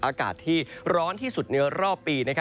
อากาศที่ร้อนที่สุดในรอบปี